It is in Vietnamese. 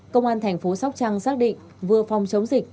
công an thành phố sóc trăng xác định vừa phòng chống dịch